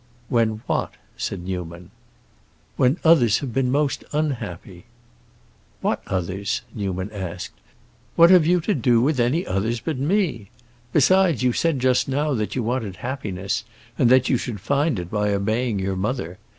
"When what?" said Newman. "When others have been most unhappy!" "What others?" Newman asked. "What have you to do with any others but me? Besides you said just now that you wanted happiness, and that you should find it by obeying your mother.